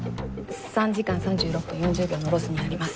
３時間３６分４０秒のロスになります。